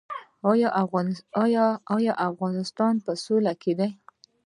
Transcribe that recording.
آیا افغانستان په سوله کې دی؟